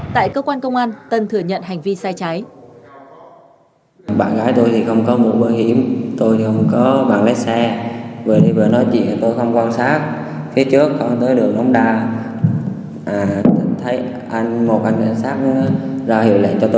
tại cơ quan công an tân thừa nhận hành vi sai trái